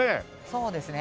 そうですね。